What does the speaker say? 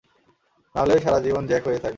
নাহলে, সারা জীবন জ্যাক হয়েই থাকবি।